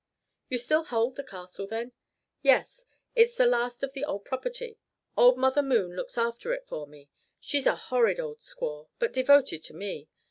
"You still hold the castle, then?" "Yes. It's the last of the old property. Old Mother Moon looks after it for me. She's a horrid old squaw, but devoted to me.